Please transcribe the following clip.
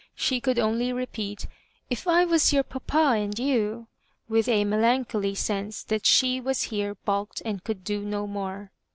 She could only repeat, '' If I was your papa and you/' with a melancholy sense that she was here balked and coi:dd do no more.